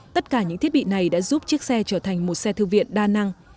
tất cả những thiết bị này đã giúp chiếc xe trở thành một xe thư viện đa năng